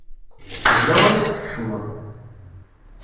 D lawan ad tkecmeḍ.